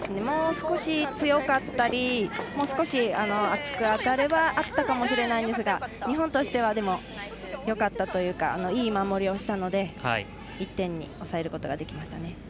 もう少し強かったりもう少し厚く当たればあったかもしれないんですが日本としてはでも、よかったというかいい守りをしたので１点に抑えることができましたね。